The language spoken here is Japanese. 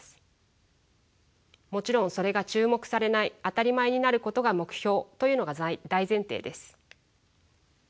もちろんそれが注目されない当たり前になることが目標というのが大前提です。